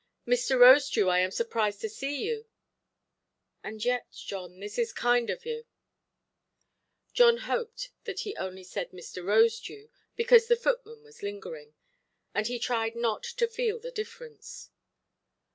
"Mr. Rosedew, I am surprised to see you. And yet, John, this is kind of you". John hoped that he only said "Mr. Rosedew", because the footman was lingering, and he tried not to feel the difference.